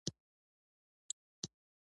تور غول د وینې د موجودیت نښه ده.